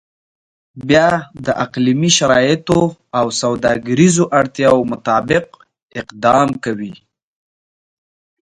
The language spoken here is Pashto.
بیا د اقلیمي شرایطو او سوداګریزو اړتیاو مطابق اقدام کوي.